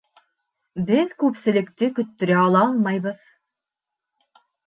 Беҙ күпселекте көттөрә ала алмайбыҙ